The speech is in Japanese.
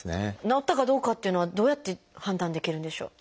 治ったかどうかっていうのはどうやって判断できるんでしょう？